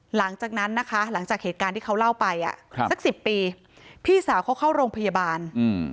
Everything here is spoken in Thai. หลังจากนั้นนะคะหลังจากเหตุการณ์ที่เขาเล่าไปอ่ะครับสักสิบปีพี่สาวเขาเข้าโรงพยาบาลอืม